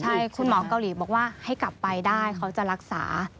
ใช่คุณหมอเกาหลีบอกว่าให้กลับไปได้เขาจะรักษา